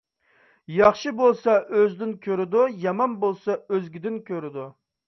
ياخشى بولسا ئۆزىدىن كۆرىدۇ، يامان بولسا ئۆزگىدىن كۆرىدۇ.